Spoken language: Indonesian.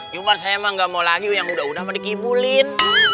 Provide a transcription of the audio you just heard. cuma saya emang gak mau lagi yang udah udah mau dikibulin